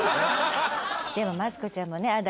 でもマツコちゃんもねああだ